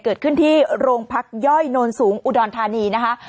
เกิดขึ้นที่โรงพักย่อยโนนสูงอุดรธานีนะคะ